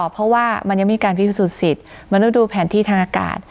เพราะว่ามันยังไม่มีการพิสูจนสิทธิ์มันต้องดูแผนที่ทางอากาศ